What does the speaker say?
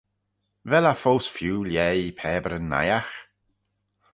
Vel eh foast feeu lhaih pabyryn naight?